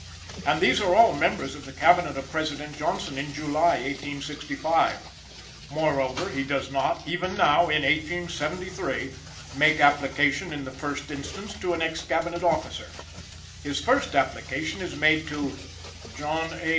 And these are all the members of the Cabinet of President Johnson in July, 1865. Moreover, he does not, even now, in 1873, make application in the first instance to an ex Cabinet officer. His first application is made to John A.